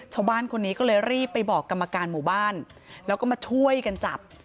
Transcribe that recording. ชาวบ้านคนนี้ก็เลยรีบไปบอกกรรมการหมู่บ้านแล้วก็มาช่วยกันจับ